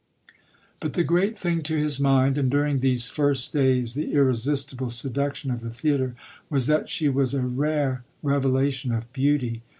But the great thing to his mind, and during these first days the irresistible seduction of the theatre, was that she was a rare revelation of beauty.